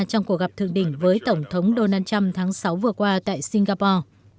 trong cuộc gặp thượng đỉnh với tổng thống donald trump tháng sáu vừa qua tại singapore